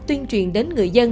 tuyên truyền đến người dân